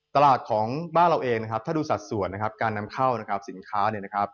ตลาดของบ้านเราเองถ้าดูสัดส่วนการนำเข้าสินค้า